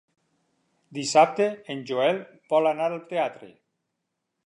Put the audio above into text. Dissabte en Joel vol anar al teatre.